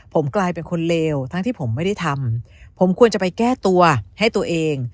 ผมกลายเป็นคนเลวทั้งที่ผมไม่ได้ทำผมควรจะไปแก้ตัวให้ตัวเอง